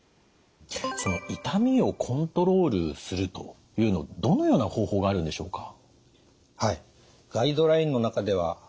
その痛みをコントロールするというのどのような方法があるんでしょうか？